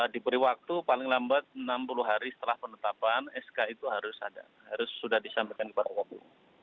diberi waktu paling lambat enam puluh hari setelah penetapan sk itu harus ada harus sudah disampaikan kepada kpu